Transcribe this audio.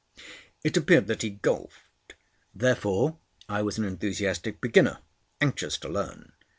It appeared that he golfed. Therefore, I was an enthusiastic beginner, anxious to learn.